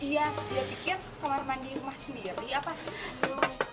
iya dia pikir kamar mandi rumah sendiri apa sih